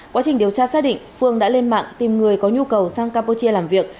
quá trình điều tra xác định phương đã lên mạng tìm người có nhu cầu sang campuchia làm việc